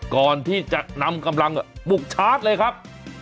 ก่อนที่จะนำกำลังบุกชาร์จเลยครับ